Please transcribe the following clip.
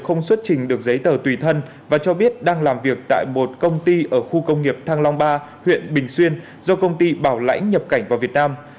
không xuất trình được giấy tờ tùy thân và cho biết đang làm việc tại một công ty ở khu công nghiệp thăng long ba huyện bình xuyên do công ty bảo lãnh nhập cảnh vào việt nam